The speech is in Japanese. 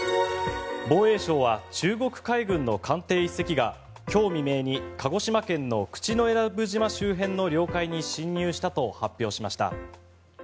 防衛省は中国海軍の艦艇１隻が今日未明に鹿児島県の口永良部島周辺の領海に侵入したと発表しました。